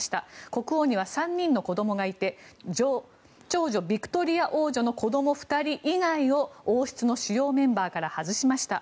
国王には３人の子供がいて長女ビクトリア王女の子供２人以外を王室の主要メンバーから外しました。